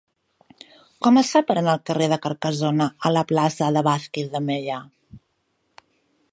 Com es fa per anar del carrer de Carcassona a la plaça de Vázquez de Mella?